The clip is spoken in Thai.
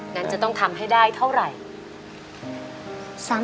งั้นจะต้องทำให้ได้เท่าไหร่